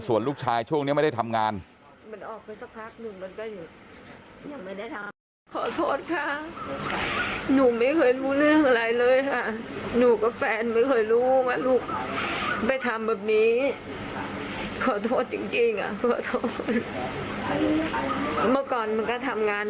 ส่วนลูกชายช่วงนี้ไม่ได้ทำงาน